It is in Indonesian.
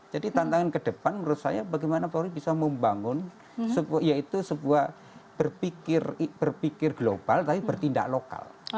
jadi tantangan ke depan menurut saya bagaimana kapolri bisa membangun yaitu sebuah berpikir global tapi bertindak lokal